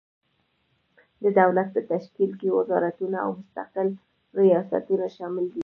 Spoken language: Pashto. د دولت په تشکیل کې وزارتونه او مستقل ریاستونه شامل دي.